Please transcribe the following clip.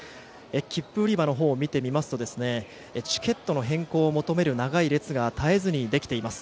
切符売り場のほうを見てみますとチケットの変更を求める長い列が絶えずにできています。